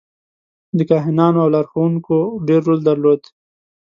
د کاهنانو او لارښوونکو ډېر رول درلود.